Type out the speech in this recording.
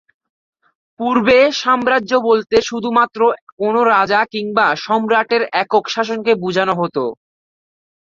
পূর্বে সাম্রাজ্য বলতে শুধু মাত্র কোন রাজা কিংবা সম্রাটের একক শাসনকে বুঝানো হত।